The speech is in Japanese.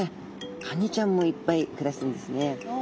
カニちゃんもいっぱい暮らしてるんですね。